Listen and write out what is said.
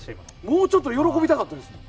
もうちょっと喜びたかったです。